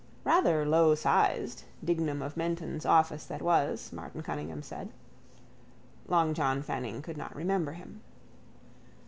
—Rather lowsized. Dignam of Menton's office that was, Martin Cunningham said. Long John Fanning could not remember him.